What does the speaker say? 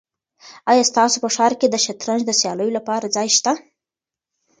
آیا ستاسو په ښار کې د شطرنج د سیالیو لپاره ځای شته؟